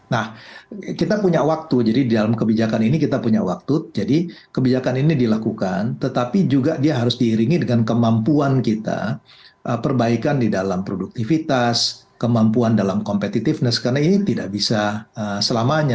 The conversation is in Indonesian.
nah kita punya waktu jadi di dalam kebijakan ini kita punya waktu jadi kebijakan ini dilakukan tetapi juga dia harus diiringi dengan kemampuan kita perbaikan di dalam produktivitas kemampuan dalam competitiveness karena ini tidak bisa selamanya